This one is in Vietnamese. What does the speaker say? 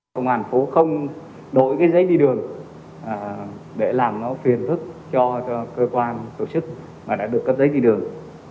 công an thành phố không đổi cái giấy đi đường để làm nó phiền thức cho cơ quan tổ chức mà đã được cắp giấy đi đường